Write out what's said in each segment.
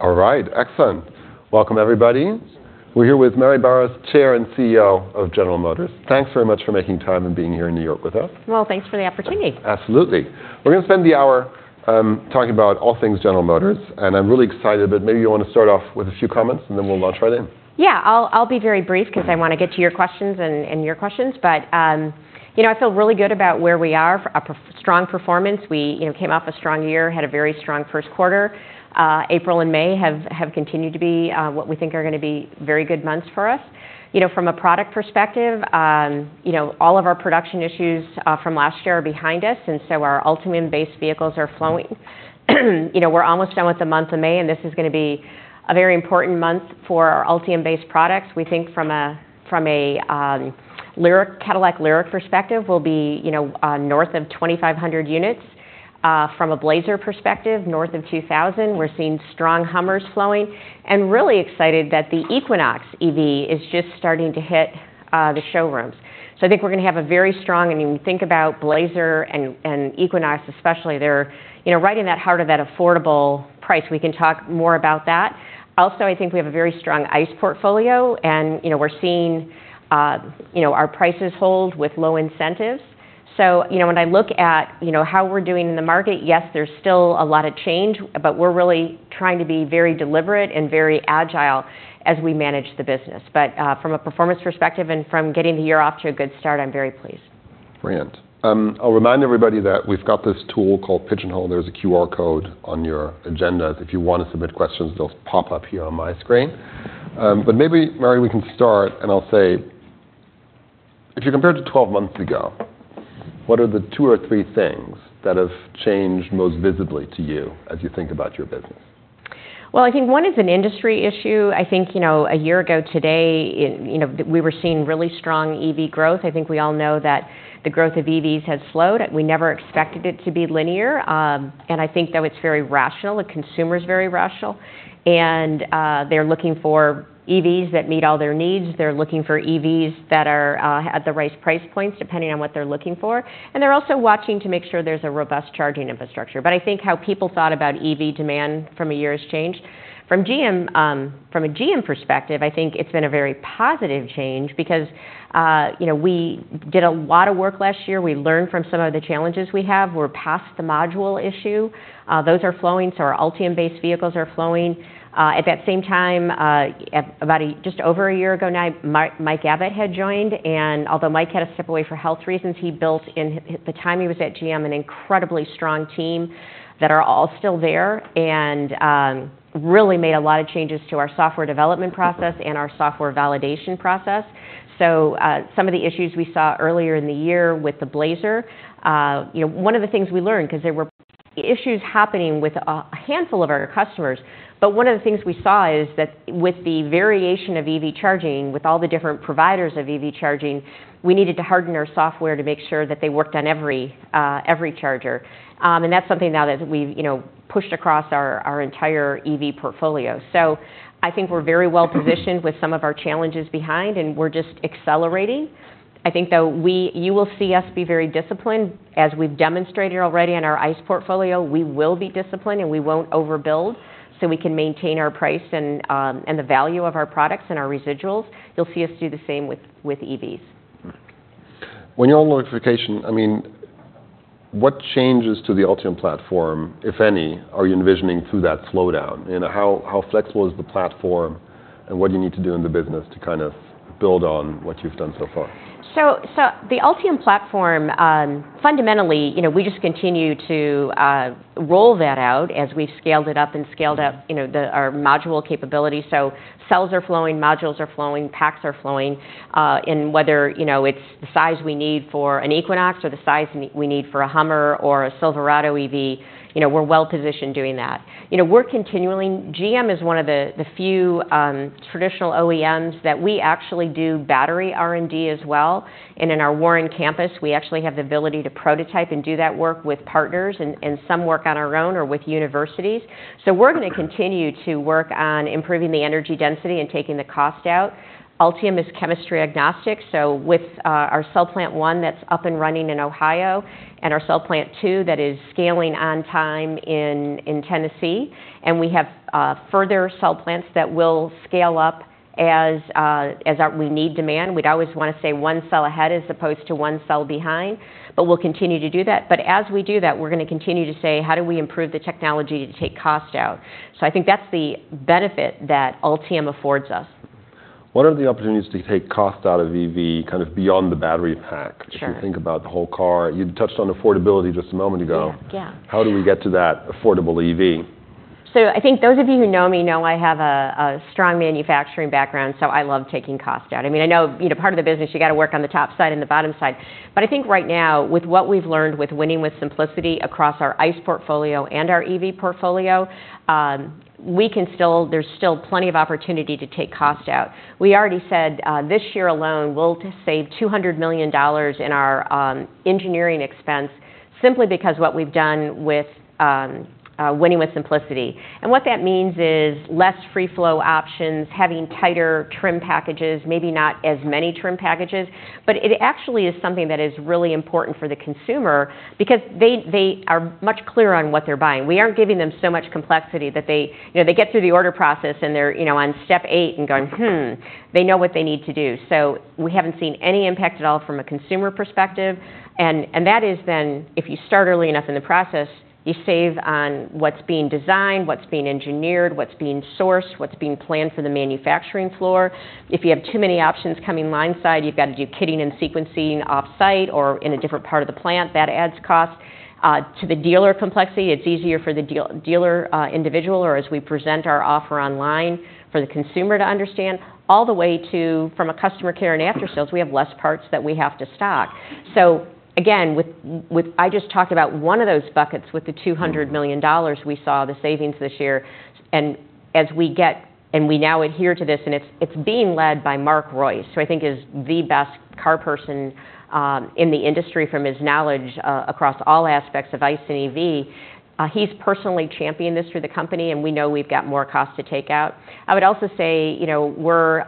right, excellent. Welcome, everybody. We're here with, Chair and CEO of General Motors. Thanks very much for making time and being here in New York with us. Well, thanks for the opportunity. Absolutely. We're gonna spend the hour, talking about all things General Motors, and I'm really excited. But maybe you wanna start off with a few comments, and then we'll launch right in. Yeah, I'll be very brief- Mm-hmm 'Cause I wanna get to your questions and, and your questions. But, you know, I feel really good about where we are. Strong performance. We, you know, came off a strong year, had a very strong first quarter. April and May have continued to be what we think are gonna be very good months for us. You know, from a product perspective, you know, all of our production issues from last year are behind us, and so our Ultium-based vehicles are flowing. You know, we're almost done with the month of May, and this is gonna be a very important month for our Ultium-based products. We think from a LYRIQ, Cadillac LYRIQ perspective, we'll be, you know, north of 2,500 units. From a Blazer perspective, north of 2,000. We're seeing strong HUMMERs flowing, and really excited that the Equinox EV is just starting to hit the showrooms. So I think we're gonna have a very strong... When you think about Blazer and Equinox especially, they're, you know, right in that heart of that affordable price. We can talk more about that. Also, I think we have a very strong ICE portfolio, and, you know, we're seeing our prices hold with low incentives. So, you know, when I look at how we're doing in the market, yes, there's still a lot of change, but we're really trying to be very deliberate and very agile as we manage the business. But from a performance perspective and from getting the year off to a good start, I'm very pleased. Brilliant. I'll remind everybody that we've got this tool called Pigeonhole. There's a QR code on your agenda. If you want to submit questions, they'll pop up here on my screen. But maybe, Mary, we can start, and I'll say: If you compare to 12 months ago, what are the two or three things that have changed most visibly to you as you think about your business? Well, I think one is an industry issue. I think, you know, a year ago today, it, you know, we were seeing really strong EV growth. I think we all know that the growth of EVs has slowed. We never expected it to be linear, and I think, though, it's very rational. The consumer's very rational, and they're looking for EVs that meet all their needs. They're looking for EVs that are at the right price points, depending on what they're looking for. And they're also watching to make sure there's a robust charging infrastructure. But I think how people thought about EV demand from a year has changed. From GM, from a GM perspective, I think it's been a very positive change because, you know, we did a lot of work last year. We learned from some of the challenges we have. We're past the module issue. Those are flowing, so our Ultium-based vehicles are flowing. At that same time, at about a... just over a year ago now, Mike Abbott had joined, and although Mike had to step away for health reasons, he built, in the time he was at GM, an incredibly strong team that are all still there and, really made a lot of changes to our software development process- Mm-hmm... and our software validation process. So, some of the issues we saw earlier in the year with the Blazer, you know, one of the things we learned, 'cause there were issues happening with a handful of our customers. But one of the things we saw is that with the variation of EV charging, with all the different providers of EV charging, we needed to harden our software to make sure that they worked on every, every charger. And that's something now that we've, you know, pushed across our, our entire EV portfolio. So I think we're very well positioned with some of our challenges behind, and we're just accelerating. I think, though, we, you will see us be very disciplined. As we've demonstrated already in our ICE portfolio, we will be disciplined, and we won't overbuild, so we can maintain our price and the value of our products and our residuals. You'll see us do the same with EVs. Mm-hmm. When you're on electrification, I mean, what changes to the Ultium platform, if any, are you envisioning through that slowdown? And how, how flexible is the platform, and what do you need to do in the business to kind of build on what you've done so far? So, the Ultium platform, fundamentally, you know, we just continue to roll that out as we've scaled it up and scaled up, you know, our module capability. So cells are flowing, modules are flowing, packs are flowing, and whether, you know, it's the size we need for an Equinox or the size we need for a Hummer or a Silverado EV, you know, we're well positioned doing that. You know, we're continually... GM is one of the few traditional OEMs that we actually do battery R&D as well, and in our Warren campus, we actually have the ability to prototype and do that work with partners and some work on our own or with universities. Mm-hmm. So we're gonna continue to work on improving the energy density and taking the cost out. Ultium is chemistry agnostic, so with our Cell Plant 1 that's up and running in Ohio and our Cell Plant 2 that is scaling on time in Tennessee, and we have further cell plants that will scale up as our need demands. We'd always wanna stay one cell ahead as opposed to one cell behind, but we'll continue to do that. But as we do that, we're gonna continue to say, "How do we improve the technology to take cost out?" So I think that's the benefit that Ultium affords us. What are the opportunities to take cost out of EV, kind of beyond the battery pack? Sure. If you think about the whole car, you've touched on affordability just a moment ago. Yeah. Yeah. How do we get to that affordable EV?... So I think those of you who know me know I have a strong manufacturing background, so I love taking cost out. I mean, I know, you know, part of the business, you gotta work on the top side and the bottom side. But I think right now, with what we've learned with winning with simplicity across our ICE portfolio and our EV portfolio, we can still, there's still plenty of opportunity to take cost out. We already said, this year alone, we'll save $200 million in our engineering expense, simply because what we've done with winning with simplicity. And what that means is less free flow options, having tighter trim packages, maybe not as many trim packages. But it actually is something that is really important for the consumer because they are much clearer on what they're buying. We aren't giving them so much complexity that they, you know, they get through the order process, and they're, you know, on step eight and going, "Hmm." They know what they need to do. So we haven't seen any impact at all from a consumer perspective. And that is then, if you start early enough in the process, you save on what's being designed, what's being engineered, what's being sourced, what's being planned for the manufacturing floor. If you have too many options coming line side, you've got to do kitting and sequencing off-site or in a different part of the plant. That adds cost to the dealer complexity. It's easier for the dealer individual or as we present our offer online, for the consumer to understand, all the way to, from a customer care and aftersales, we have less parts that we have to stock. So again, with—I just talked about one of those buckets with the $200 million we saw the savings this year. We now adhere to this, and it's being led by Mark Reuss, who I think is the best car person in the industry from his knowledge across all aspects of ICE and EV. He's personally championed this through the company, and we know we've got more cost to take out. I would also say, you know, we're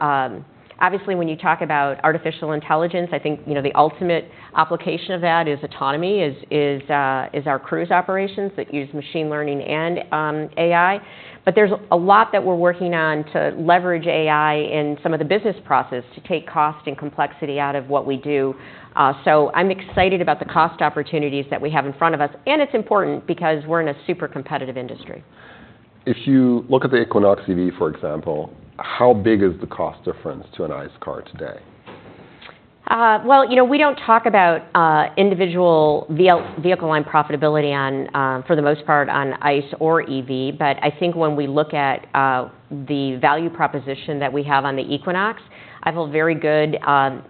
obviously, when you talk about artificial intelligence, I think, you know, the ultimate application of that is autonomy, is our Cruise operations that use machine learning and AI. But there's a lot that we're working on to leverage AI in some of the business process to take cost and complexity out of what we do. I'm excited about the cost opportunities that we have in front of us, and it's important because we're in a super competitive industry. If you look at the Equinox EV, for example, how big is the cost difference to an ICE car today? Well, you know, we don't talk about individual vehicle line profitability, for the most part, on ICE or EV. But I think when we look at the value proposition that we have on the Equinox, I have a very good...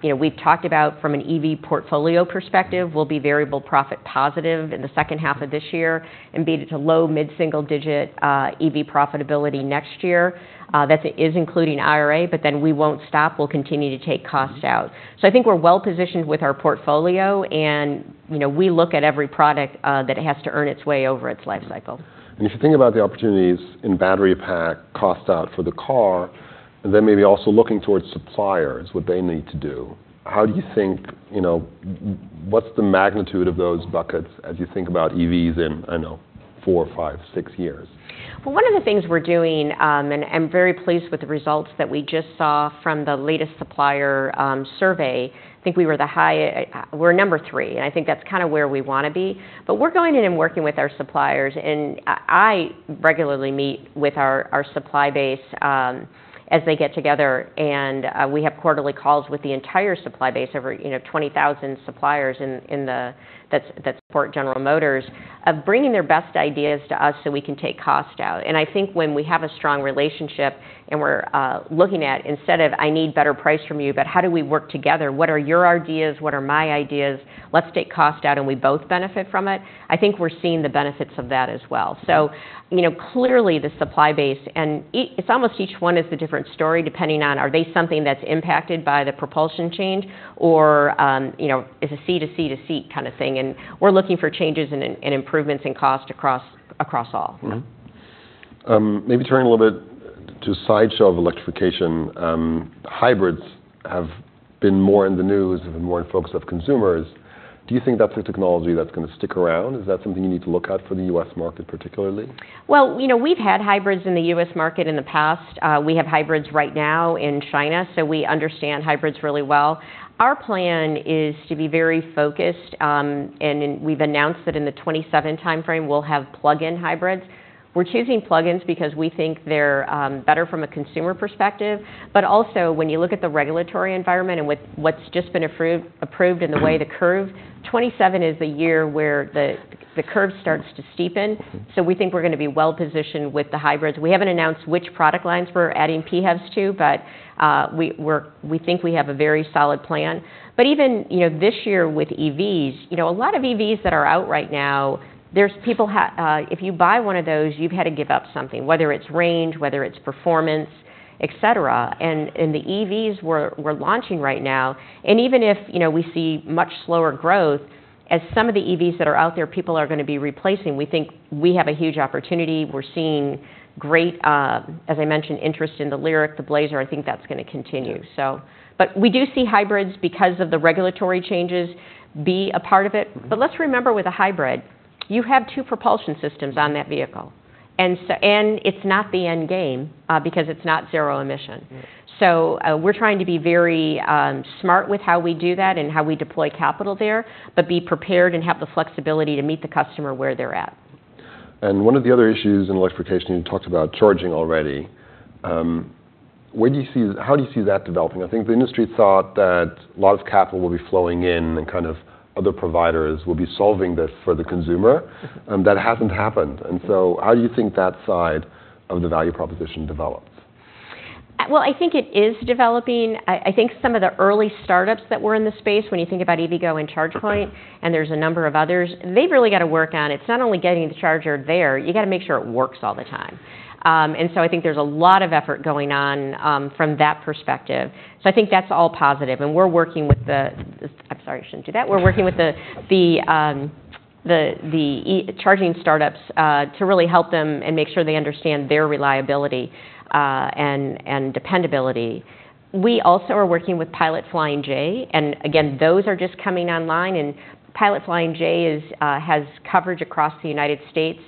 You know, we've talked about from an EV portfolio perspective, we'll be variable profit positive in the second half of this year, and be at a low, mid-single digit EV profitability next year. That is including IRA, but then we won't stop. We'll continue to take costs out. So I think we're well-positioned with our portfolio, and, you know, we look at every product that it has to earn its way over its life cycle. And if you think about the opportunities in battery pack cost out for the car, and then maybe also looking towards suppliers, what they need to do, how do you think, you know, what's the magnitude of those buckets as you think about EVs in, I know, four, five, six years? Well, one of the things we're doing, and I'm very pleased with the results that we just saw from the latest supplier survey, I think we were the high- we're number three, and I think that's kind of where we wanna be. But we're going in and working with our suppliers, and I regularly meet with our supply base, as they get together, and we have quarterly calls with the entire supply base, over, you know, 20,000 suppliers that support General Motors, of bringing their best ideas to us, so we can take cost out. And I think when we have a strong relationship, and we're looking at, instead of, "I need better price from you," but, "How do we work together? What are your ideas? What are my ideas? Let's take cost out, and we both benefit from it," I think we're seeing the benefits of that as well. So, you know, clearly, the supply base, and it's almost each one is a different story, depending on, are they something that's impacted by the propulsion change or, you know, it's a seat to seat to seat kind of thing, and we're looking for changes and improvements in cost across all. Mm-hmm. Maybe turning a little bit to sideshow of electrification, hybrids have been more in the news and been more in focus of consumers. Do you think that's a technology that's gonna stick around? Is that something you need to look at for the U.S. market, particularly? Well, you know, we've had hybrids in the U.S. market in the past. We have hybrids right now in China, so we understand hybrids really well. Our plan is to be very focused, and then we've announced that in the 2027 timeframe, we'll have plug-in hybrids. We're choosing plug-ins because we think they're better from a consumer perspective. But also, when you look at the regulatory environment and with what's just been approved and the way the curve, 2027 is the year where the curve starts to steepen. So we think we're gonna be well-positioned with the hybrids. We haven't announced which product lines we're adding PHEVs to, but we think we have a very solid plan. But even, you know, this year with EVs, you know, a lot of EVs that are out right now, there's people, if you buy one of those, you've had to give up something, whether it's range, whether it's performance, et cetera. And the EVs we're launching right now, and even if, you know, we see much slower growth, as some of the EVs that are out there, people are gonna be replacing, we think we have a huge opportunity. We're seeing great, as I mentioned, interest in the LYRIQ, the Blazer. I think that's gonna continue. So. But we do see hybrids, because of the regulatory changes, be a part of it. Mm-hmm. But let's remember, with a hybrid, you have two propulsion systems on that vehicle, and—and it's not the end game, because it's not zero emission. Right. We're trying to be very smart with how we do that and how we deploy capital there, but be prepared and have the flexibility to meet the customer where they're at. One of the other issues in electrification, you talked about charging already. How do you see that developing? I think the industry thought that a lot of capital will be flowing in, and kind of other providers will be solving this for the consumer, and that hasn't happened. So how do you think that side of the value proposition develops? Well, I think it is developing. I think some of the early startups that were in the space, when you think about EVgo and ChargePoint, and there's a number of others, they've really got to work on it. It's not only getting the charger there, you've got to make sure it works all the time. And so I think there's a lot of effort going on from that perspective. So I think that's all positive, and we're working with the EV charging startups to really help them and make sure they understand their reliability and dependability. We also are working with Pilot Flying J, and again, those are just coming online, and Pilot Flying J has coverage across the United States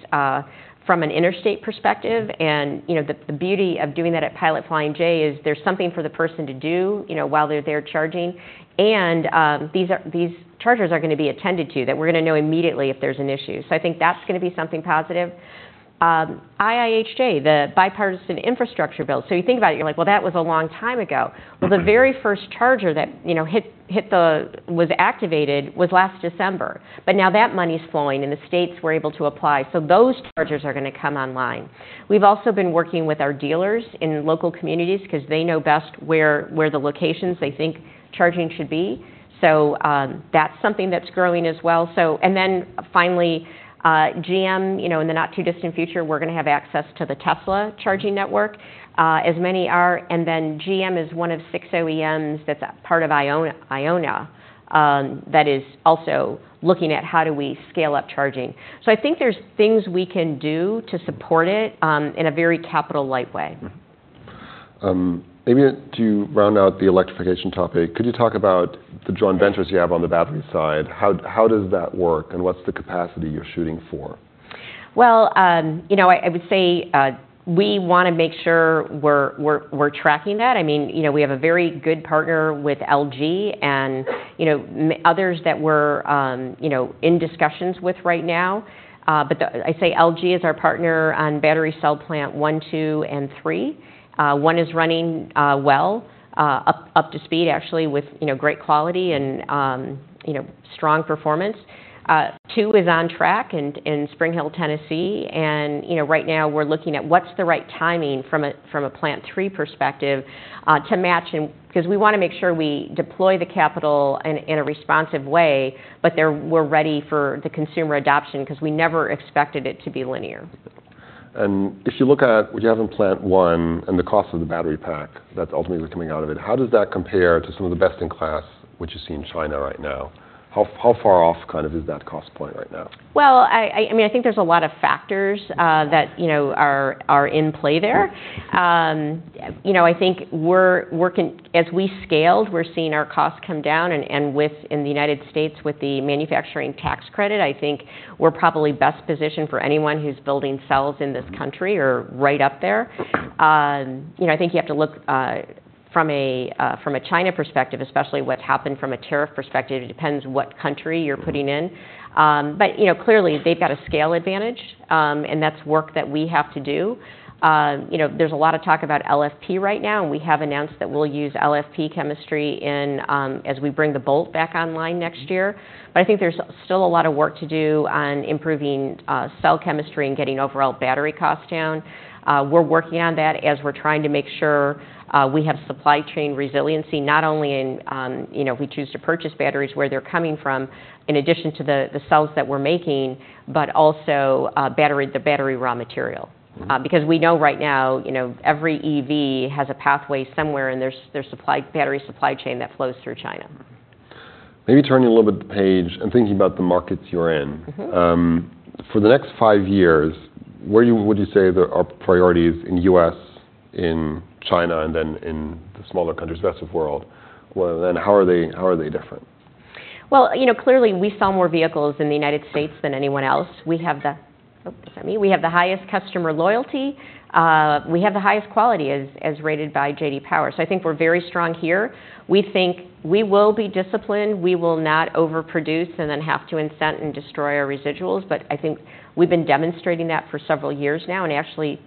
from an interstate perspective. You know, the beauty of doing that at Pilot Flying J is there's something for the person to do, you know, while they're there charging. These chargers are going to be attended to, that we're going to know immediately if there's an issue. So I think that's going to be something positive. IIJA, the bipartisan infrastructure bill. So you think about it, you're like, "Well, that was a long time ago. Mm-hmm. Well, the very first charger that, you know, was activated was last December. But now that money's flowing and the states were able to apply, so those chargers are going to come online. We've also been working with our dealers in local communities because they know best where the locations they think charging should be. So, that's something that's growing as well. And then finally, GM, you know, in the not-too-distant future, we're going to have access to the Tesla charging network, as many are. And then GM is one of six OEMs that's a part of IONNA that is also looking at how do we scale up charging. So I think there's things we can do to support it, in a very capital-light way. Maybe to round out the electrification topic, could you talk about the joint ventures you have on the battery side? How does that work, and what's the capacity you're shooting for? Well, I would say we want to make sure we're tracking that. I mean, you know, we have a very good partner with LG and others that we're in discussions with right now. But I'd say LG is our partner on Battery Cell Plant 1, 2, and 3. One is running well up to speed, actually, with great quality and strong performance. Two is on track in Spring Hill, Tennessee. And right now we're looking at what's the right timing from a Plant 3 perspective to match because we want to make sure we deploy the capital in a responsive way, but we're ready for the consumer adoption, because we never expected it to be linear. If you look at what you have in plant 1 and the cost of the battery pack that's ultimately coming out of it, how does that compare to some of the best in class, which you see in China right now? How, how far off kind of is that cost point right now? Well, I mean, I think there's a lot of factors that you know are in play there. Mm-hmm. You know, I think we're working, as we scaled, we're seeing our costs come down and, and within the United States, with the manufacturing tax credit, I think we're probably best positioned for anyone who's building cells in this country. Mm... or right up there. You know, I think you have to look from a China perspective, especially what's happened from a tariff perspective. It depends what country you're putting in. Mm. But, you know, clearly, they've got a scale advantage, and that's work that we have to do. You know, there's a lot of talk about LFP right now, and we have announced that we'll use LFP chemistry in, as we bring the Bolt back online next year. Mm. But I think there's still a lot of work to do on improving cell chemistry and getting overall battery costs down. We're working on that as we're trying to make sure we have supply chain resiliency, not only in, you know, we choose to purchase batteries where they're coming from, in addition to the cells that we're making, but also battery raw material. Mm-hmm. Because we know right now, you know, every EV has a pathway somewhere in their supply, battery supply chain that flows through China. Maybe turning a little bit the page and thinking about the markets you're in. Mm-hmm. For the next five years, where would you say there are priorities in the U.S., in China, and then in the smaller countries, the rest of world? Well, then, how are they different? Well, you know, clearly, we sell more vehicles in the United States than anyone else. We have the— Oops, is that me? We have the highest customer loyalty. We have the highest quality, as rated by J.D. Power. So I think we're very strong here. We think we will be disciplined. We will not overproduce and then have to incent and destroy our residuals, but I think we've been demonstrating that for several years now. And actually,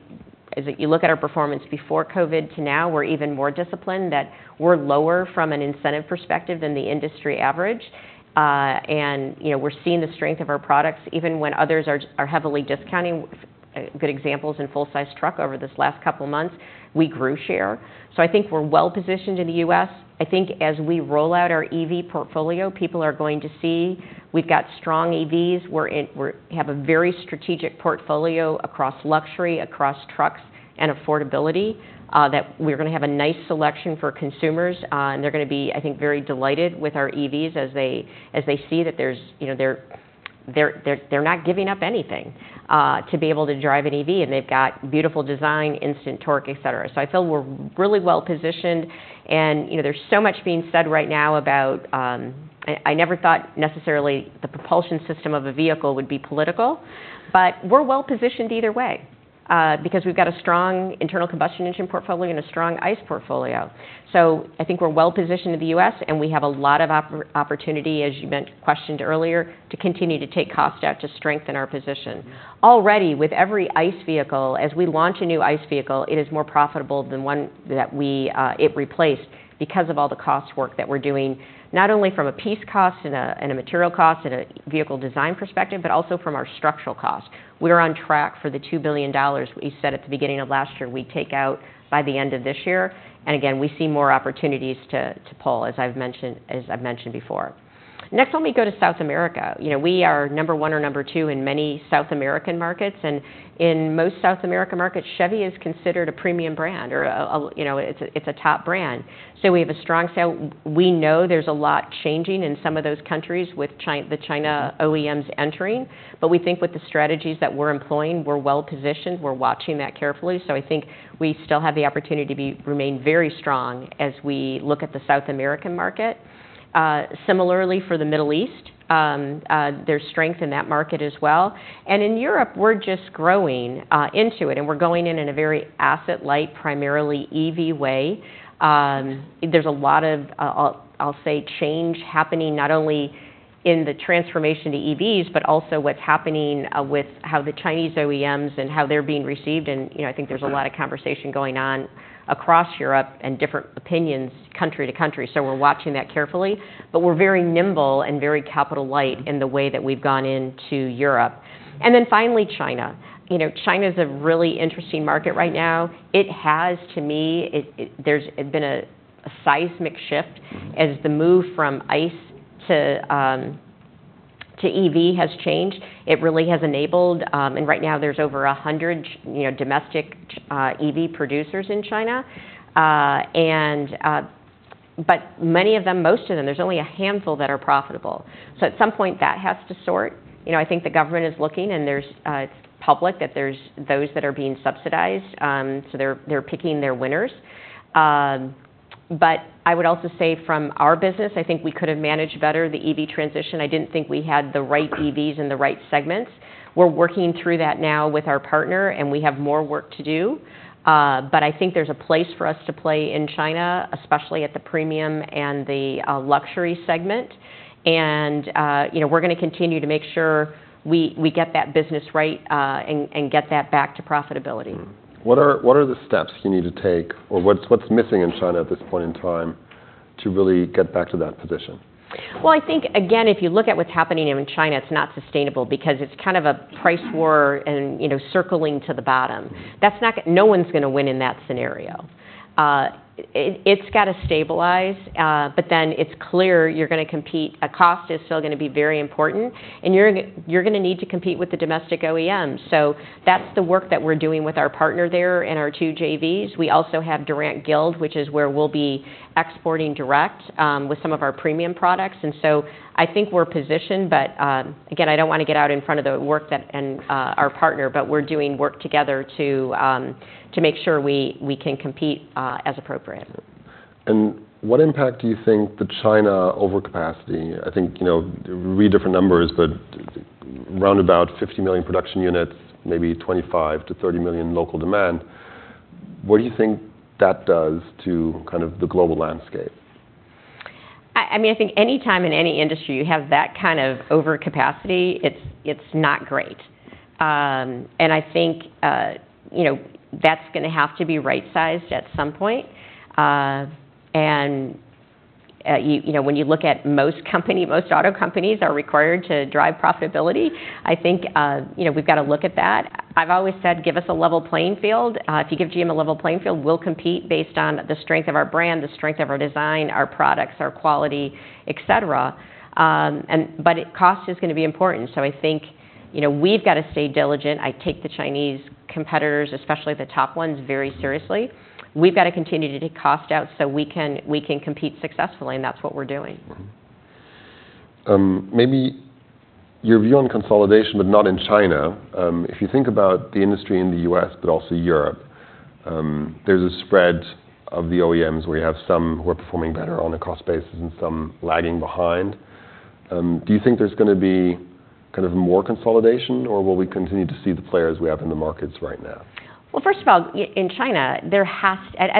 as you look at our performance before COVID to now, we're even more disciplined that we're lower from an incentive perspective than the industry average. And, you know, we're seeing the strength of our products, even when others are heavily discounting. A good example is in full-size truck over this last couple of months, we grew share. So I think we're well positioned in the U.S. I think as we roll out our EV portfolio, people are going to see we've got strong EVs. We have a very strategic portfolio across luxury, across trucks, and affordability that we're going to have a nice selection for consumers. And they're going to be, I think, very delighted with our EVs as they see that there's, you know, they're not giving up anything to be able to drive an EV, and they've got beautiful design, instant torque, et cetera. So I feel we're really well positioned. And, you know, there's so much being said right now about... I never thought necessarily the propulsion system of a vehicle would be political, but we're well positioned either way because we've got a strong internal combustion engine portfolio and a strong ICE portfolio. So I think we're well-positioned in the US, and we have a lot of opportunity, as you mentioned earlier, to continue to take cost out to strengthen our position. Already, with every ICE vehicle, as we launch a new ICE vehicle, it is more profitable than one that we, it replaced because of all the cost work that we're doing, not only from a piece cost and a, and a material cost and a vehicle design perspective, but also from our structural cost. We're on track for the $2 billion we said at the beginning of last year, we'd take out by the end of this year, and again, we see more opportunities to pull, as I've mentioned, as I've mentioned before. Next, let me go to South America. You know, we are number one or number two in many South American markets, and in most South American markets, Chevy is considered a premium brand or a, you know, it's a top brand. So we have strong sales. We know there's a lot changing in some of those countries with the China OEMs entering, but we think with the strategies that we're employing, we're well-positioned. We're watching that carefully, so I think we still have the opportunity to be... remain very strong as we look at the South American market. Similarly for the Middle East, there's strength in that market as well. In Europe, we're just growing into it, and we're going in in a very asset-light, primarily EV way. There's a lot of, I'll, I'll say, change happening, not only in the transformation to EVs, but also what's happening, with how the Chinese OEMs and how they're being received, and, you know- Sure... I think there's a lot of conversation going on across Europe and different opinions country to country, so we're watching that carefully. But we're very nimble and very capital-light in the way that we've gone into Europe. And then finally, China. You know, China's a really interesting market right now. It has, to me, there's been a seismic shift- Mm-hmm... as the move from ICE to, to EV has changed. It really has enabled... And right now, there's over 100, you know, domestic, EV producers in China. And, but many of them, most of them, there's only a handful that are profitable. So at some point, that has to sort. You know, I think the government is looking, and there's, it's public, that there's those that are being subsidized. So they're, they're picking their winners. But I would also say from our business, I think we could have managed better the EV transition. I didn't think we had the right EVs in the right segments. We're working through that now with our partner, and we have more work to do, but I think there's a place for us to play in China, especially at the premium and the luxury segment. You know, we're gonna continue to make sure we get that business right, and get that back to profitability. What are the steps you need to take, or what's missing in China at this point in time to really get back to that position? Well, I think, again, if you look at what's happening in China, it's not sustainable because it's kind of a price war and, you know, racing to the bottom. Mm-hmm. That's not – no one's gonna win in that scenario. It's gotta stabilize, but then it's clear you're gonna compete. Cost is still gonna be very important, and you're gonna need to compete with the domestic OEMs. So that's the work that we're doing with our partner there and our two JVs. We also have Durant Guild, which is where we'll be exporting direct with some of our premium products. And so I think we're positioned, but again, I don't wanna get out in front of the work that our partner, but we're doing work together to make sure we can compete as appropriate. Mm-hmm. And what impact do you think the China overcapacity... I think, you know, you read different numbers, but round about 50 million production units, maybe 25-30 million local demand, what do you think that does to kind of the global landscape? I mean, I think any time in any industry you have that kind of overcapacity, it's not great. And I think, you know, that's gonna have to be right-sized at some point. And you know, when you look at most auto companies are required to drive profitability, I think, you know, we've got to look at that. I've always said, "Give us a level playing field." If you give GM a level playing field, we'll compete based on the strength of our brand, the strength of our design, our products, our quality, et cetera. And but cost is gonna be important, so I think, you know, we've got to stay diligent. I take the Chinese competitors, especially the top ones, very seriously. We've got to continue to take cost out so we can, we can compete successfully, and that's what we're doing. Mm-hmm. Maybe your view on consolidation, but not in China. If you think about the industry in the U.S., but also Europe, there's a spread of the OEMs, where you have some who are performing better on a cost basis and some lagging behind. Do you think there's gonna be kind of more consolidation, or will we continue to see the players we have in the markets right now? Well, first of all, in China, I don't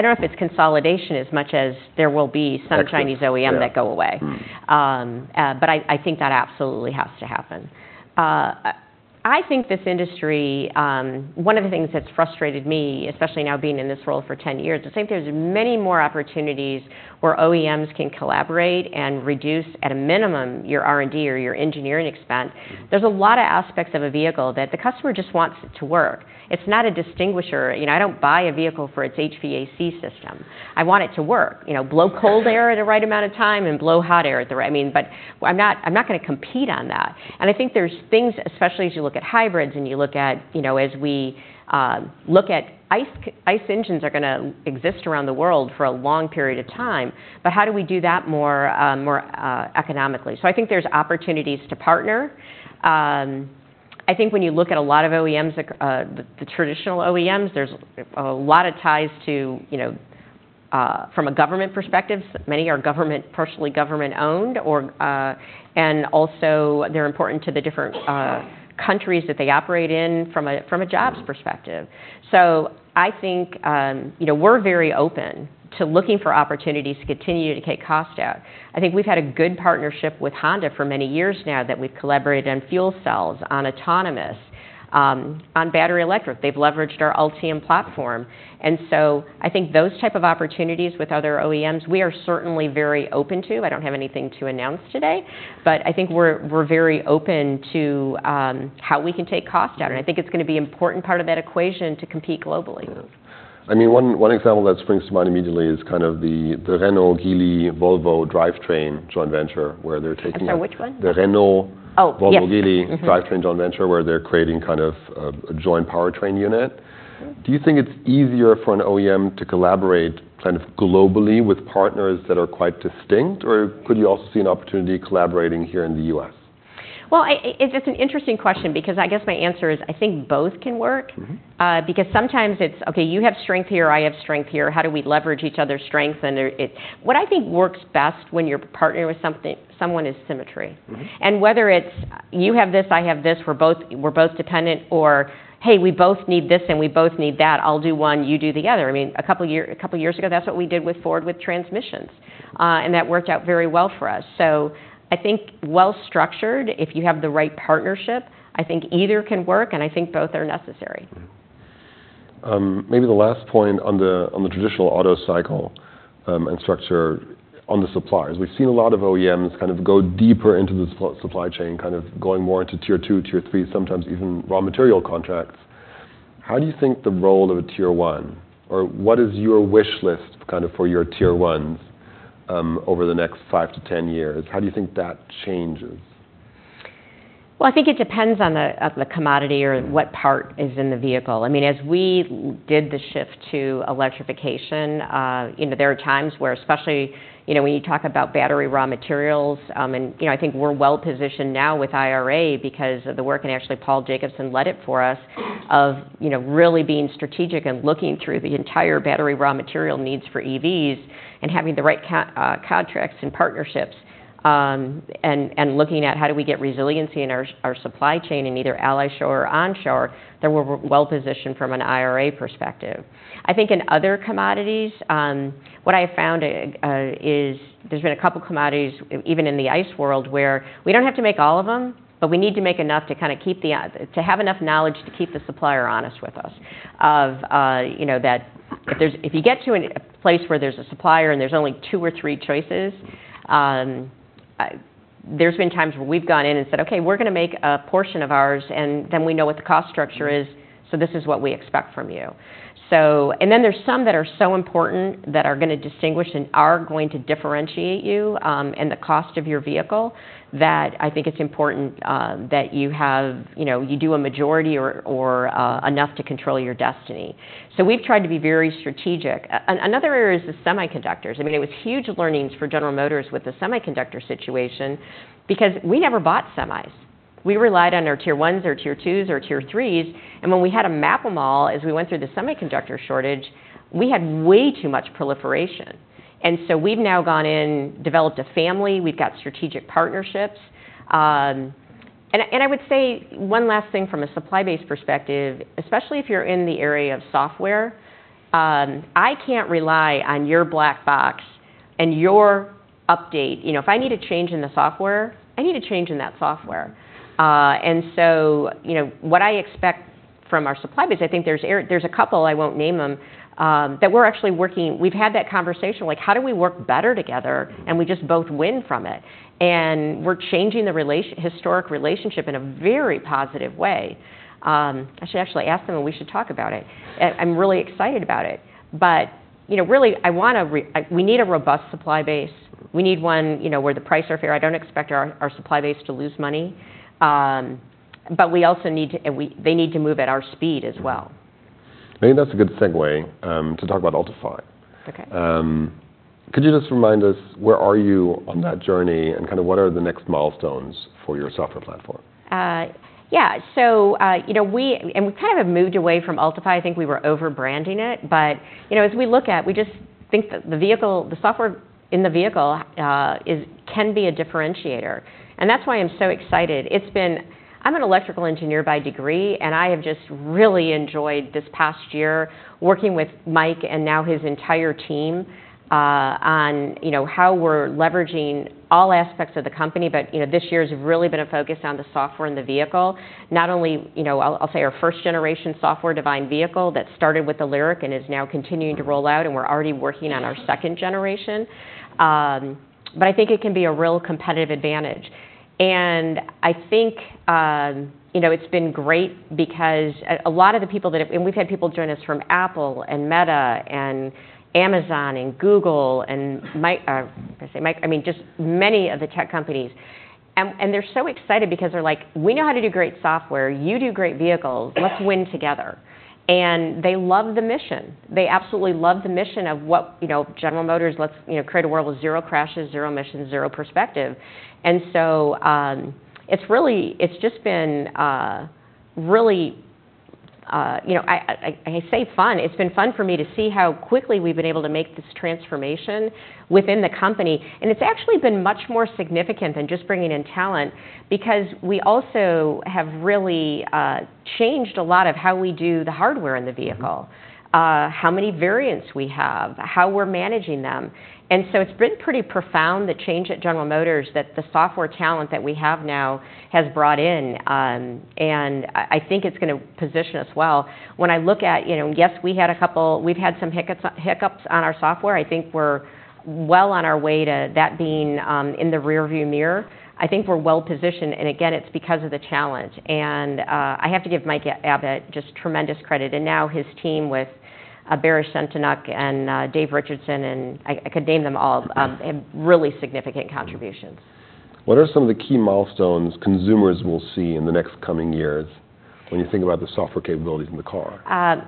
know if it's consolidation as much as there will be- Exit... some Chinese OEM that go away. Yeah. Mm. I, I think that absolutely has to happen. I think this industry, one of the things that's frustrated me, especially now being in this role for 10 years, I think there's many more opportunities where OEMs can collaborate and reduce, at a minimum, your R&D or your engineering expense. Mm. There's a lot of aspects of a vehicle that the customer just wants it to work. It's not a differentiator. You know, I don't buy a vehicle for its HVAC system. I want it to work. Right. You know, blow cold air at a right amount of time and blow hot air at the right... I mean, but I'm not, I'm not gonna compete on that. And I think there's things, especially as you look at hybrids and you look at, you know, as we look at ICE engines are gonna exist around the world for a long period of time, but how do we do that more economically? So I think there's opportunities to partner. I think when you look at a lot of OEMs, the traditional OEMs, there's a lot of ties to, you know, from a government perspective, many are partially government-owned, or, and also they're important to the different countries that they operate in from a jobs perspective. So I think, you know, we're very open to looking for opportunities to continue to take cost out. I think we've had a good partnership with Honda for many years now, that we've collaborated on fuel cells, on autonomous, on battery electric. They've leveraged our Ultium platform, and so I think those type of opportunities with other OEMs, we are certainly very open to. I don't have anything to announce today, but I think we're, we're very open to, how we can take cost out, and I think it's gonna be an important part of that equation to compete globally. I mean, one, one example that springs to mind immediately is kind of the Renault-Geely-Volvo drivetrain joint venture, where they're taking- I'm sorry, which one? The Renault- Oh, yes. Volvo-Geely drivetrain joint venture, where they're creating kind of a joint powertrain unit. Do you think it's easier for an OEM to collaborate kind of globally with partners that are quite distinct? Or could you also see an opportunity collaborating here in the U.S.? Well, it's an interesting question because I guess my answer is, I think both can work. Mm-hmm. Because sometimes it's, "Okay, you have strength here, I have strength here. How do we leverage each other's strengths?" What I think works best when you're partnering with someone, is symmetry. Mm-hmm. And whether it's, "You have this, I have this, we're both, we're both dependent," or, "Hey, we both need this, and we both need that. I'll do one, you do the other." I mean, a couple years ago, that's what we did with Ford with transmissions, and that worked out very well for us. So I think well-structured, if you have the right partnership, I think either can work, and I think both are necessary. Mm-hmm. Maybe the last point on the traditional auto cycle and structure on the suppliers. We've seen a lot of OEMs kind of go deeper into the supply chain, kind of going more into Tier Two, Tier Three, sometimes even raw material contracts. How do you think the role of a Tier One... Or what is your wish list kind of for your Tier Ones over the next five-10 years? How do you think that changes? Well, I think it depends on the commodity or what part is in the vehicle. I mean, as we did the shift to electrification, you know, there are times where, especially, you know, when you talk about battery raw materials. You know, I think we're well-positioned now with IRA because of the work, and actually, Paul Jacobson led it for us, of, you know, really being strategic and looking through the entire battery raw material needs for EVs and having the right contracts and partnerships, and looking at how do we get resiliency in our supply chain in either nearshore or onshore, that we're well-positioned from an IRA perspective. I think in other commodities, what I found is there's been a couple commodities, even in the ICE world, where we don't have to make all of them, but we need to make enough to kind of keep the, to have enough knowledge to keep the supplier honest with us. Of, you know, that if you get to a place where there's a supplier and there's only two or three choices, there's been times where we've gone in and said, "Okay, we're gonna make a portion of ours, and then we know what the cost structure is, so this is what we expect from you." So... And then there's some that are so important, that are gonna distinguish and are going to differentiate you, and the cost of your vehicle, that I think it's important, that you have, you know, you do a majority or, or, enough to control your destiny. So we've tried to be very strategic. Another area is the semiconductors. I mean, it was huge learnings for General Motors with the semiconductor situation because we never bought semis. We relied on our Tier Ones, or Tier Twos, or Tier Threes, and when we had to map them all as we went through the semiconductor shortage, we had way too much proliferation. And so we've now gone in, developed a family, we've got strategic partnerships. And I would say one last thing from a supply base perspective, especially if you're in the area of software. I can't rely on your black box and your update. You know, if I need a change in the software, I need a change in that software. And so, you know, what I expect from our supply base. I think there's a couple, I won't name them, that we're actually working. We've had that conversation, like, "How do we work better together, and we just both win from it?" And we're changing the historic relationship in a very positive way. I should actually ask them, and we should talk about it, and I'm really excited about it. But, you know, really, we need a robust supply base. We need one, you know, where the prices are fair. I don't expect our supply base to lose money, but we also need to—and they need to move at our speed as well. Mm-hmm. I think that's a good segue to talk about Ultifi. Okay. Could you just remind us, where are you on that journey, and kind of what are the next milestones for your software platform? Yeah. So, you know, we kind of have moved away from Ultifi. I think we were over-branding it, but, you know, as we look at, we just think that the vehicle the software in the vehicle can be a differentiator, and that's why I'm so excited. It's been... I'm an electrical engineer by degree, and I have just really enjoyed this past year working with Mike and now his entire team, on, you know, how we're leveraging all aspects of the company. But, you know, this year's really been a focus on the software in the vehicle. Not only, you know, I'll say our first generation software-defined vehicle that started with the LYRIQ and is now continuing to roll out, and we're already working on our second generation. But I think it can be a real competitive advantage. And I think, you know, it's been great because a lot of the people. And we've had people join us from Apple, and Meta, and Amazon, and Google, and Microsoft. I was gonna say Mike. I mean, just many of the tech companies. And they're so excited because they're like: "We know how to do great software. You do great vehicles. Let's win together." And they love the mission. They absolutely love the mission of what, you know, General Motors lets, you know, create a world with zero crashes, zero emissions, zero congestion. And so, it's just been really fun for me to see how quickly we've been able to make this transformation within the company. And it's actually been much more significant than just bringing in talent, because we also have really changed a lot of how we do the hardware in the vehicle, how many variants we have, how we're managing them. And so it's been pretty profound, the change at General Motors, that the software talent that we have now has brought in, and I, I think it's gonna position us well. When I look at, you know... Yes, we've had some hiccups, hiccups on our software. I think we're well on our way to that being in the rear view mirror. I think we're well-positioned, and again, it's because of the talent. And, I have to give Mike Abbott just tremendous credit, and now his team with, Baris Cetinok and, Dave Richardson, and I, I could name them all- Mm-hmm. have really significant contributions. What are some of the key milestones consumers will see in the next coming years? Yeah... when you think about the software capabilities in the car?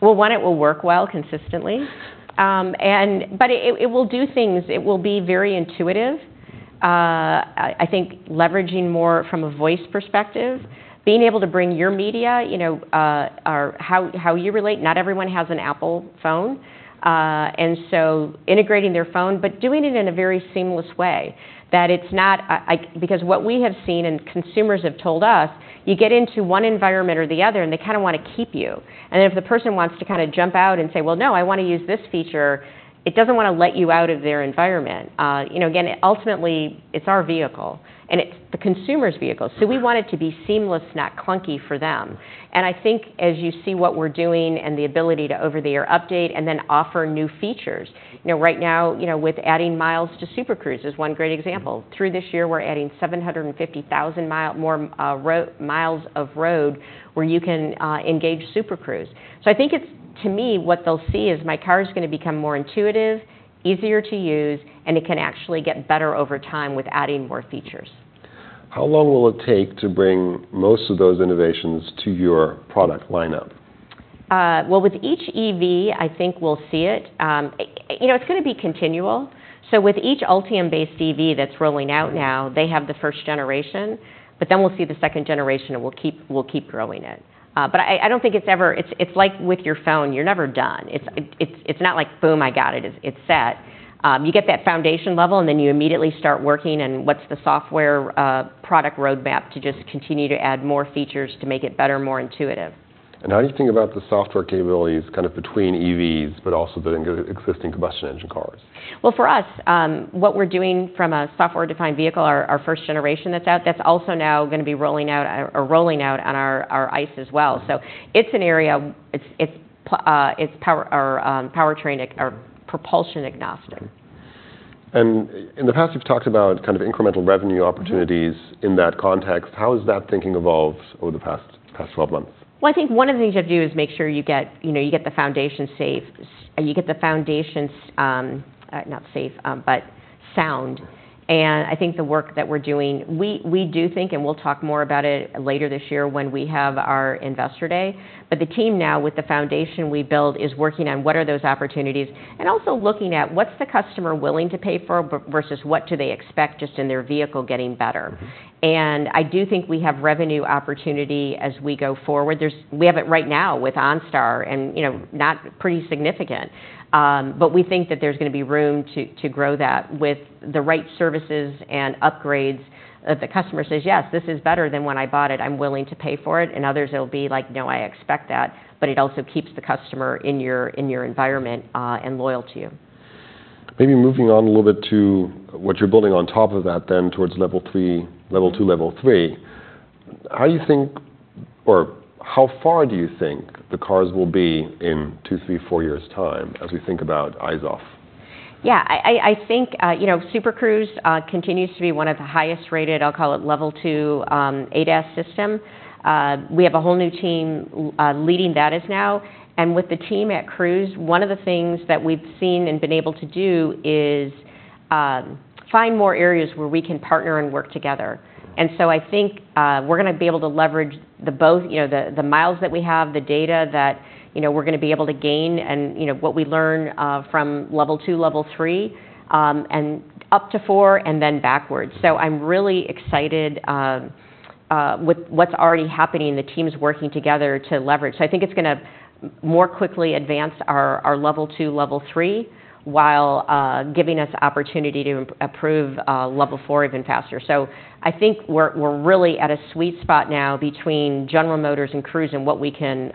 Well, one, it will work well consistently. And but it will do things... It will be very intuitive. I think leveraging more from a voice perspective, being able to bring your media, you know, or how you relate. Not everyone has an Apple phone, and so integrating their phone, but doing it in a very seamless way, that it's not because what we have seen and consumers have told us, you get into one environment or the other, and they kind of want to keep you. And if the person wants to kind of jump out and say, "Well, no, I want to use this feature," it doesn't want to let you out of their environment. You know, again, ultimately, it's our vehicle, and it's the consumer's vehicle. Mm-hmm. So we want it to be seamless, not clunky for them. I think as you see what we're doing and the ability to over-the-air update and then offer new features. You know, right now, you know, with adding miles to Super Cruise is one great example. Through this year, we're adding 750,000 more miles of road where you can engage Super Cruise. So I think it's, to me, what they'll see is, "My car is going to become more intuitive, easier to use, and it can actually get better over time with adding more features. How long will it take to bring most of those innovations to your product lineup? Well, with each EV, I think we'll see it. You know, it's going to be continual. So with each Ultium-based EV that's rolling out now- Mm-hmm... they have the first generation, but then we'll see the second generation, and we'll keep growing it. But I don't think it's ever—it's like with your phone, you're never done. It's not like, "Boom, I got it. It's set." You get that foundation level, and then you immediately start working on what's the software product roadmap to just continue to add more features to make it better, more intuitive. How do you think about the software capabilities kind of between EVs, but also the existing combustion engine cars? Well, for us, what we're doing from a Software Defined Vehicle, our first generation that's out, that's also now going to be rolling out, or rolling out on our ICE as well. Mm-hmm. So it's an area, it's powertrain or propulsion agnostic. In the past, you've talked about kind of incremental revenue opportunities- Mm-hmm... in that context. How has that thinking evolved over the past 12 months? Well, I think one of the things you have to do is make sure you get, you know, you get the foundation safe, you get the foundation, not safe, but sound. Mm-hmm. I think the work that we're doing—we do think, and we'll talk more about it later this year when we have our Investor Day, but the team now, with the foundation we built, is working on what are those opportunities, and also looking at what's the customer willing to pay for versus what do they expect just in their vehicle getting better? Mm-hmm. I do think we have revenue opportunity as we go forward. There's we have it right now with OnStar and, you know, not pretty significant. But we think that there's going to be room to, to grow that with the right services and upgrades, that the customer says, "Yes, this is better than when I bought it. I'm willing to pay for it." And others, it'll be like, "No, I expect that." But it also keeps the customer in your, in your environment, and loyal to you. Maybe moving on a little bit to what you're building on top of that, then, towards Level 3... Level 2, Level 3. How do you think or how far do you think the cars will be in 2, 3, 4 years' time as we think about eyes off? Yeah, I think, you know, Super Cruise continues to be one of the highest-rated. I'll call it Level 2 ADAS system. We have a whole new team leading that now. And with the team at Cruise, one of the things that we've seen and been able to do is find more areas where we can partner and work together. Mm-hmm. And so I think, we're going to be able to leverage the both, you know, the miles that we have, the data that, you know, we're going to be able to gain and, you know, what we learn from Level 2, Level 3, and up to 4, and then backwards. Mm-hmm. So I'm really excited with what's already happening, the teams working together to leverage. So I think it's going to more quickly advance our Level 2, Level 3, while giving us the opportunity to improve Level 4 even faster. So I think we're really at a sweet spot now between General Motors and Cruise and what we can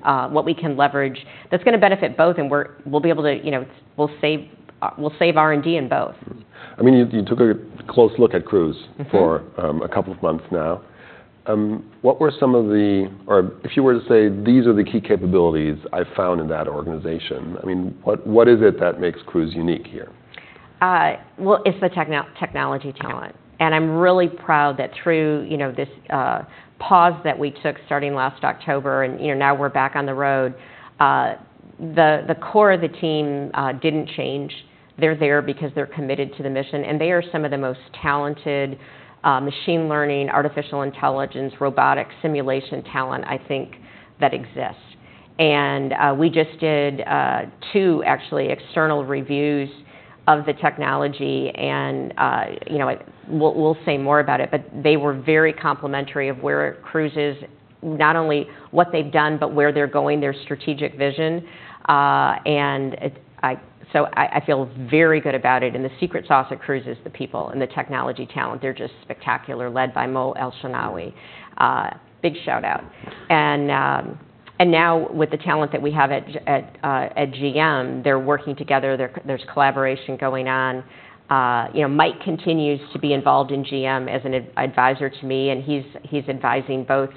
leverage. That's going to benefit both, and we'll be able to, you know, we'll save R&D in both. Mm-hmm. I mean, you, you took a close look at Cruise- Mm-hmm... for a couple of months now. Or if you were to say, "These are the key capabilities I found in that organization," I mean, what, what is it that makes Cruise unique here? Well, it's the technology talent, and I'm really proud that through, you know, this pause that we took starting last October, and, you know, now we're back on the road, the core of the team didn't change. They're there because they're committed to the mission, and they are some of the most talented machine learning, artificial intelligence, robotics, simulation talent, I think, that exists. We just did two actually external reviews of the technology, and, you know, we'll say more about it, but they were very complimentary of where Cruise is, not only what they've done, but where they're going, their strategic vision. So I feel very good about it, and the secret sauce at Cruise is the people and the technology talent. They're just spectacular, led by Mo Elshenawy. Big shout out. And now with the talent that we have at GM, they're working together. There's collaboration going on. You know, Mike continues to be involved in GM as an advisor to me, and he's advising both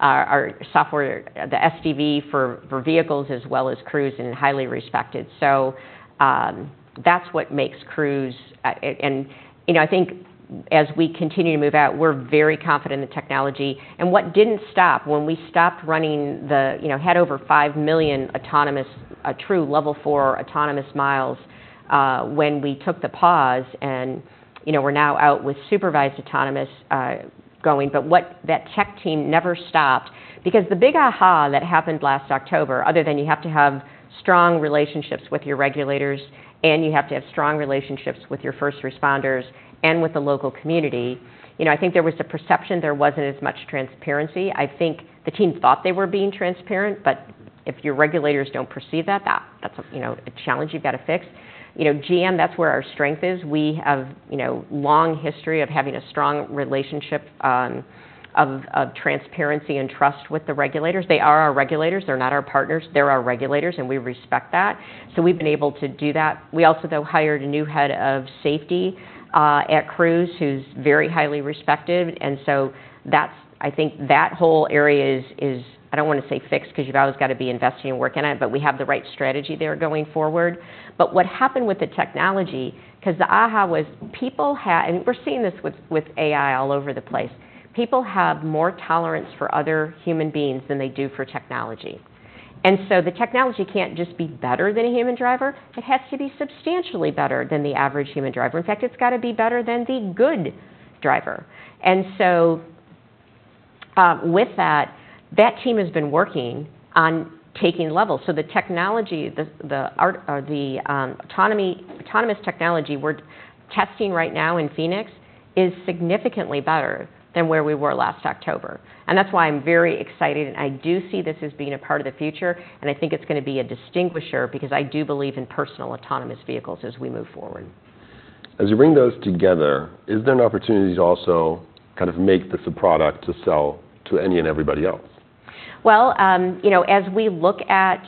our software, the SDV for vehicles as well as Cruise, and highly respected. So, that's what makes Cruise and... You know, I think as we continue to move out, we're very confident in the technology. And what didn't stop, when we stopped running the, you know, had over 5 million autonomous true Level 4 autonomous miles, when we took the pause and, you know, we're now out with supervised autonomous going. But what. That tech team never stopped. Because the big aha! That happened last October, other than you have to have strong relationships with your regulators, and you have to have strong relationships with your first responders and with the local community, you know. I think there was the perception there wasn't as much transparency. I think the team thought they were being transparent, but if your regulators don't perceive that, that's a, you know, a challenge you've got to fix. You know, GM, that's where our strength is. We have, you know, long history of having a strong relationship of transparency and trust with the regulators. They are our regulators. They're not our partners, they're our regulators, and we respect that. So we've been able to do that. We also, though, hired a new head of safety at Cruise, who's very highly respected, and so that's. I think that whole area is, I don't want to say fixed, because you've always got to be investing and working on it, but we have the right strategy there going forward. But what happened with the technology, because the aha! was people. And we're seeing this with AI all over the place. People have more tolerance for other human beings than they do for technology. And so the technology can't just be better than a human driver; it has to be substantially better than the average human driver. In fact, it's got to be better than the good driver. And so, with that, that team has been working on taking levels. So the technology, the autonomous technology we're testing right now in Phoenix is significantly better than where we were last October, and that's why I'm very excited, and I do see this as being a part of the future, and I think it's gonna be a distinguisher because I do believe in personal autonomous vehicles as we move forward. As you bring those together, is there an opportunity to also kind of make this a product to sell to any and everybody else? Well, you know, as we look at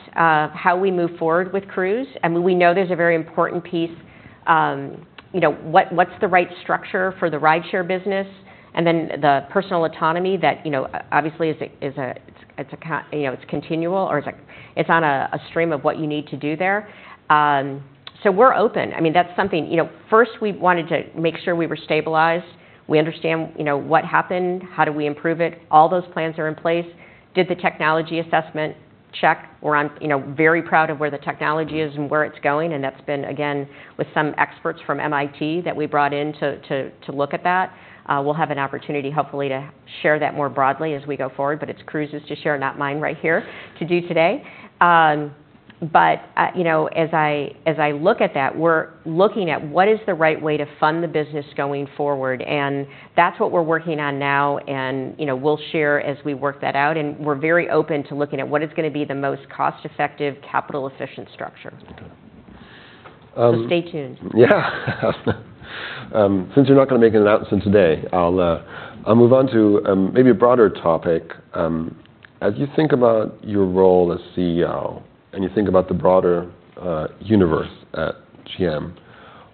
how we move forward with Cruise, and we know there's a very important piece, you know, what's the right structure for the rideshare business, and then the personal autonomy that, you know, obviously is a, it's... you know, it's continual, or it's like, it's on a stream of what you need to do there. So we're open. I mean, that's something... You know, first we wanted to make sure we were stabilized. We understand, you know, what happened, how do we improve it? All those plans are in place. Did the technology assessment check? We're on, you know, very proud of where the technology is and where it's going, and that's been, again, with some experts from MIT that we brought in to look at that. We'll have an opportunity, hopefully, to share that more broadly as we go forward, but it's Cruise's to share, not mine right here, to do today. You know, as I look at that, we're looking at what is the right way to fund the business going forward, and that's what we're working on now. You know, we'll share as we work that out, and we're very open to looking at what is gonna be the most cost-effective, capital-efficient structure. Um- Stay tuned. Yeah. Since you're not gonna make an announcement today, I'll move on to maybe a broader topic. As you think about your role as CEO and you think about the broader universe at GM,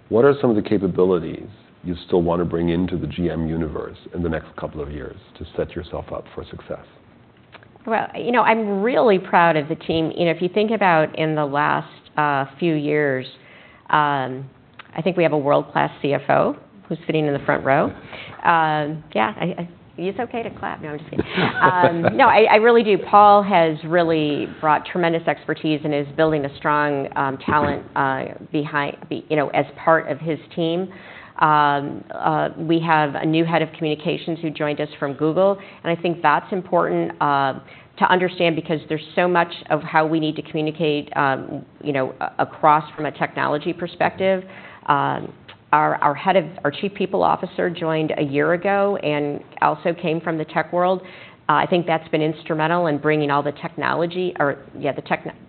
what are some of the capabilities you still want to bring into the GM universe in the next couple of years to set yourself up for success? Well, you know, I'm really proud of the team. You know, if you think about in the last few years, I think we have a world-class CFO who's sitting in the front row. Yeah, it's okay to clap. No, I'm just kidding. No, I really do. Paul has really brought tremendous expertise and is building a strong talent, you know, as part of his team. We have a new head of communications who joined us from Google, and I think that's important to understand because there's so much of how we need to communicate, you know, across from a technology perspective. Our Chief People Officer joined a year ago and also came from the tech world. I think that's been instrumental in bringing all the technology or, yeah, the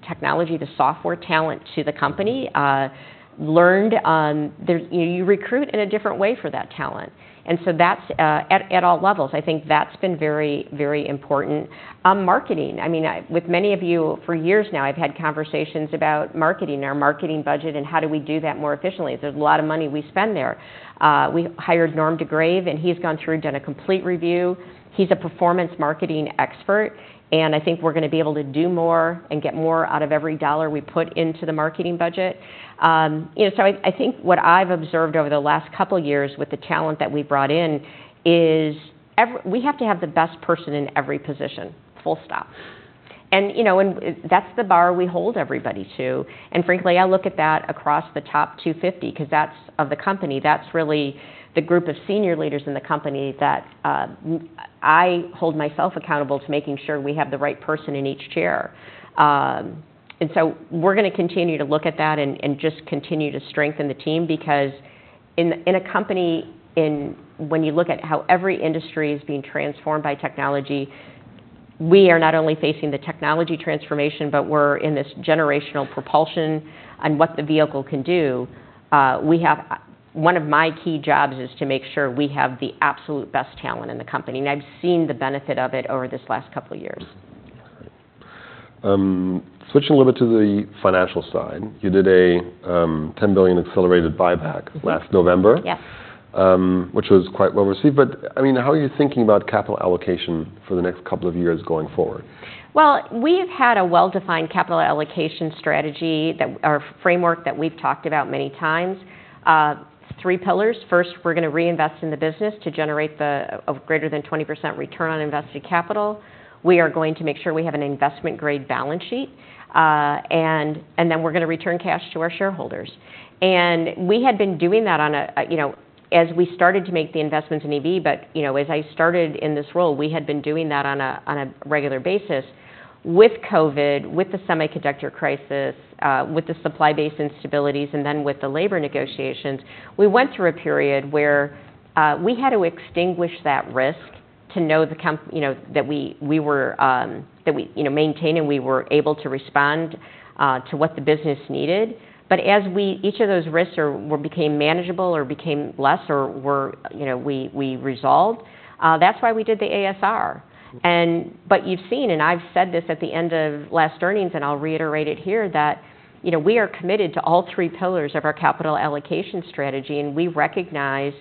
technology, the software talent to the company. You recruit in a different way for that talent, and so that's at all levels. I think that's been very, very important. Marketing, I mean, with many of you, for years now, I've had conversations about marketing, our marketing budget, and how do we do that more efficiently? There's a lot of money we spend there. We hired Norm de Greve, and he's gone through and done a complete review. He's a performance marketing expert, and I think we're gonna be able to do more and get more out of every dollar we put into the marketing budget. You know, so I think what I've observed over the last couple of years with the talent that we brought in is we have to have the best person in every position, full stop. And, you know, and it, that's the bar we hold everybody to. And frankly, I look at that across the top 250, because that's of the company, that's really the group of senior leaders in the company that I hold myself accountable to making sure we have the right person in each chair. And so we're gonna continue to look at that and just continue to strengthen the team, because in a company, when you look at how every industry is being transformed by technology, we are not only facing the technology transformation, but we're in this generational propulsion on what the vehicle can do. One of my key jobs is to make sure we have the absolute best talent in the company, and I've seen the benefit of it over this last couple of years. Switching a little bit to the financial side, you did a $10 billion accelerated buyback- Mm-hmm. -last November. Yes. which was quite well received. But, I mean, how are you thinking about capital allocation for the next couple of years going forward? Well, we've had a well-defined capital allocation strategy that... Our framework that we've talked about many times. Three pillars: first, we're gonna reinvest in the business to generate a greater than 20% return on invested capital. We are going to make sure we have an investment-grade balance sheet, and then we're gonna return cash to our shareholders. And we had been doing that on a, you know, as we started to make the investments in EV, but, you know, as I started in this role, we had been doing that on a regular basis. With COVID, with the semiconductor crisis, with the supply base instabilities, and then with the labor negotiations, we went through a period where we had to extinguish that risk to know you know, that we, we were, that we, you know, maintained, and we were able to respond to what the business needed. But as each of those risks are, were became manageable or became less or were, you know, we, we resolved, that's why we did the ASR. But you've seen, and I've said this at the end of last earnings, and I'll reiterate it here, that, you know, we are committed to all three pillars of our capital allocation strategy, and we recognize,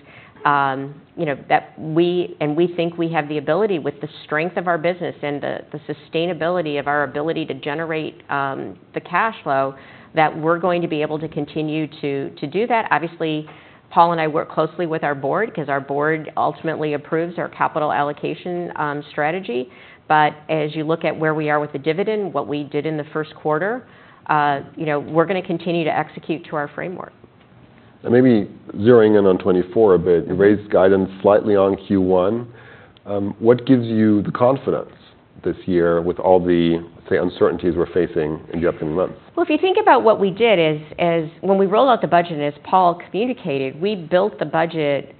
you know, that we... We think we have the ability, with the strength of our business and the sustainability of our ability to generate the cash flow, that we're going to be able to continue to do that. Obviously, Paul and I work closely with our board, because our board ultimately approves our capital allocation strategy. As you look at where we are with the dividend, what we did in the first quarter, you know, we're gonna continue to execute to our framework. Maybe zeroing in on 2024 a bit- Mm-hmm. You raised guidance slightly on Q1. What gives you the confidence this year with all the, say, uncertainties we're facing in the upcoming months? Well, if you think about what we did is, when we rolled out the budget, as Paul communicated, we built the budget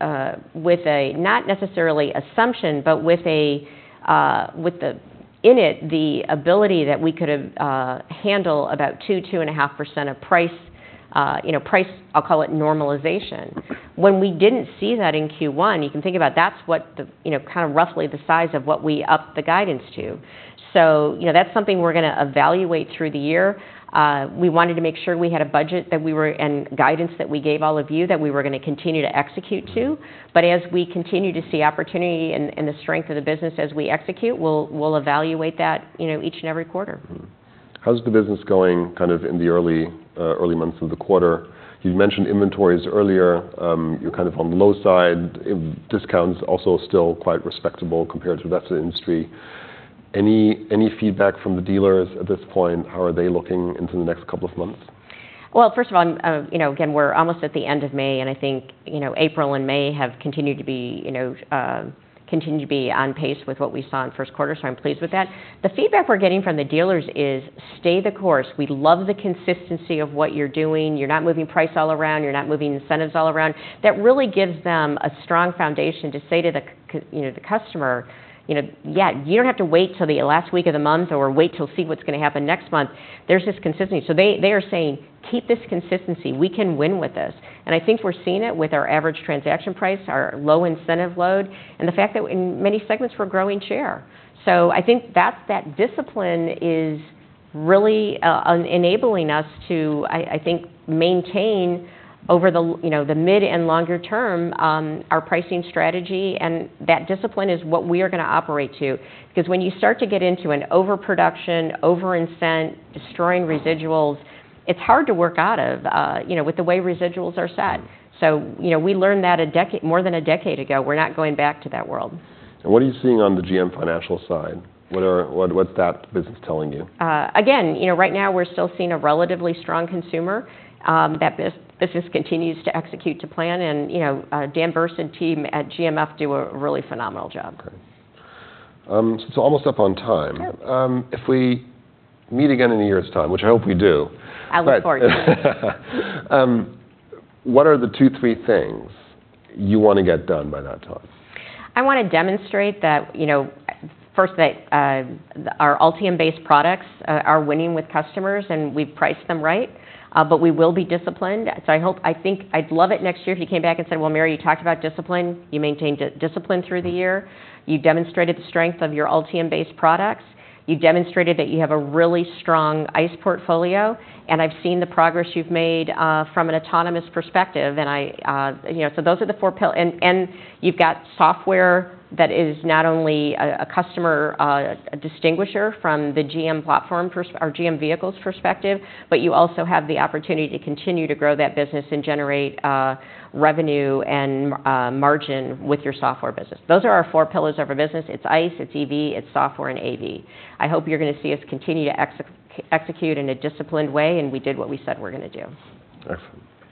with a not necessarily assumption, but with a with the in it the ability that we could handle about 2%-2.5% of price, you know, price, I'll call it, normalization. When we didn't see that in Q1, you can think about that's what the, you know, kind of roughly the size of what we upped the guidance to. So, you know, that's something we're gonna evaluate through the year. We wanted to make sure we had a budget that we were... And guidance that we gave all of you, that we were gonna continue to execute to. But as we continue to see opportunity and the strength of the business as we execute, we'll evaluate that, you know, each and every quarter. Mm-hmm. How's the business going kind of in the early, early months of the quarter? You've mentioned inventories earlier. You're kind of on the low side. Discounts also still quite respectable compared to the rest of the industry. Any feedback from the dealers at this point? How are they looking into the next couple of months? Well, first of all, you know, again, we're almost at the end of May, and I think, you know, April and May have continued to be, you know, continued to be on pace with what we saw in first quarter, so I'm pleased with that. The feedback we're getting from the dealers is, "Stay the course. We love the consistency of what you're doing. You're not moving price all around. You're not moving incentives all around." That really gives them a strong foundation to say to the, you know, the customer, you know, "Yeah, you don't have to wait till the last week of the month or wait till see what's gonna happen next month." There's this consistency. So they, they are saying, "Keep this consistency. We can win with this." And I think we're seeing it with our average transaction price, our low incentive load, and the fact that in many segments, we're growing share. So I think that's, that discipline is really enabling us to, I think, maintain over the long- you know, the mid and longer term, our pricing strategy, and that discipline is what we are gonna operate to. Because when you start to get into an overproduction, over-incent, destroying residuals, it's hard to work out of, you know, with the way residuals are set. Mm. So, you know, we learned that more than a decade ago. We're not going back to that world. What are you seeing on the GM Financial side? What’s that business telling you? Again, you know, right now, we're still seeing a relatively strong consumer that this business continues to execute to plan. And, you know, Dan Berce and team at GMF do a really phenomenal job. Okay. So almost up on time. Okay. If we meet again in a year's time, which I hope we do- I look forward to it. What are the two, three things you want to get done by that time? I want to demonstrate that, you know, first, that our Ultium-based products are winning with customers, and we've priced them right, but we will be disciplined. So I think I'd love it next year if you came back and said: Well, Mary, you talked about discipline. You maintained discipline through the year. You demonstrated the strength of your Ultium-based products. You demonstrated that you have a really strong ICE portfolio, and I've seen the progress you've made from an autonomous perspective, and I... You know, so those are the four. And you've got software that is not only a customer distinguisher from the GM platform or GM vehicles perspective, but you also have the opportunity to continue to grow that business and generate revenue and margin with your software business. Those are our four pillars of our business: It's ICE, it's EV, it's software, and AV. I hope you're gonna see us continue to execute in a disciplined way, and we did what we said we're gonna do. Excellent.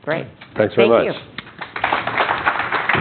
Great. Thanks very much. Thank you.